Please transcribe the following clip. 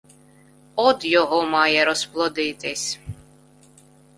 Од його має розплодитись